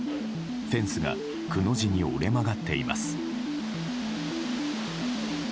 フェンスがくの字に折れ曲がっています。